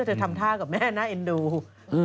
อุ๊ยเธอทำท่ากับแม่น่าเอ็นดู